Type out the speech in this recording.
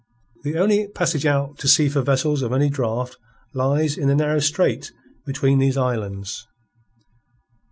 The only passage out to sea for vessels of any draught lies in the narrow strait between these islands.